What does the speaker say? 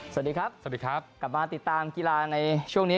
สวัสดีครับสวัสดีครับกลับมาติดตามกีฬาในช่วงนี้